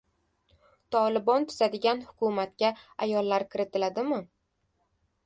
"Tolibon" tuzadigan hukumatga ayollar kiritiladimi?